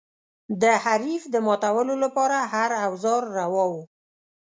د حریف د ماتولو لپاره هر اوزار روا و.